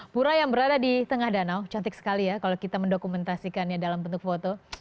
pura yang berada di tengah danau cantik sekali ya kalau kita mendokumentasikannya dalam bentuk foto